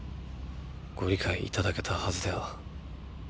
ご理解いただけたはずでは？